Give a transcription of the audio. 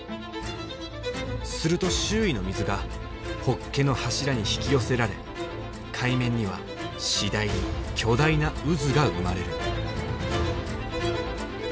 すると周囲の水がホッケの柱に引き寄せられ海面には次第に巨大な渦が生まれる。